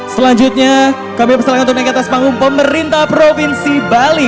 selanjutnya kami persilahkan untuk naik ke atas panggung pemerintah provinsi bali